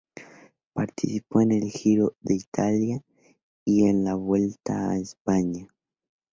Participó en el Giro de Italia y en la Vuelta a España.